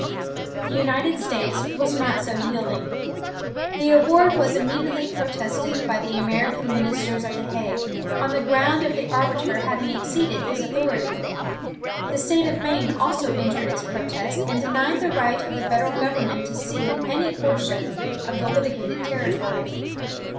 The United States was not so yielding. The award was immediately protested against by the American ministers at the Hague, on the ground of the arbiter having exceeded his authority. The State of Maine also entered its protest, and denied the right of the federal government to cede any portion of the litigated territory.